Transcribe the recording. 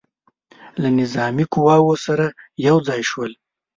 له نظامي قواوو سره یو ځای شول.